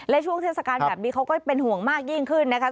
และช่วงเทศกาลแบบนี้เขาก็เป็นห่วงมากยิ่งขึ้นนะคะ